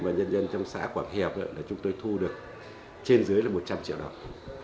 và nhân dân trong xã quảng hiệp chúng tôi thu được trên dưới là một trăm linh triệu đồng